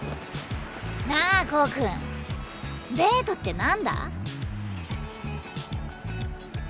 なあコウ君デートって何だ？